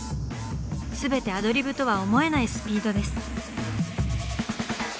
全てアドリブとは思えないスピードです。